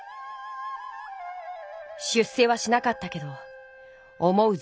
出世はしなかったけど思う